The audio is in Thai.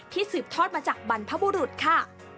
สืบทอดมาจากบรรพบุรุษค่ะ